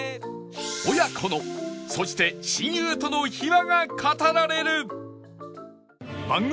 親子のそして親友との秘話が語られる